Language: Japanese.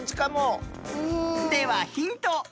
ではヒント。